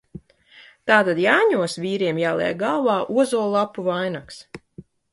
Tātad Jāņos vīriem jāliek galvā ozollapu vainags.